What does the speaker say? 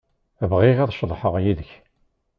Bɣiɣ ad ceḍḥeɣ yid-k.